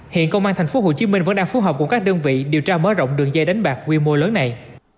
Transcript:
hiện công an tp hcm vẫn đang phù hợp cùng các đơn vị điều tra mở rộng đường dây đánh bạc quy mô lớn này